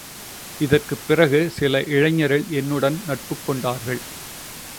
இதற்குப் பிறகு சில இளைஞர்கள் என்னுடன் நட்புக் கொண்டார்கள்.